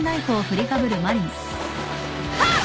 はっ！